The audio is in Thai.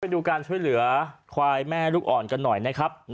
ดูการช่วยเหลือควายแม่ลูกอ่อนกันหน่อยนะครับ